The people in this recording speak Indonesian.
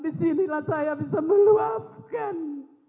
disinilah saya bisa meluapkan